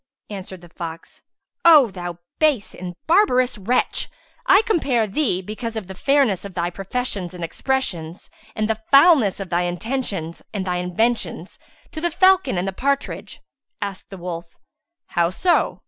Answered the fox, "O thou base and barbarous wretch, I compare thee, because of the fairness of thy professions and expressions, and the foulness of thy intentions and thy inventions to the Falcon and the Partridge." Asked the wolf, "How so?"